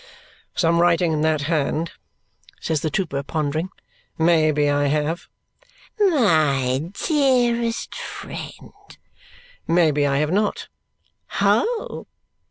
"Some writing in that hand," says the trooper, pondering; "may be, I have." "My dearest friend!" "May be, I have not." "Ho!"